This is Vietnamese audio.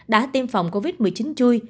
đã tiêm phòng covid một mươi chín chui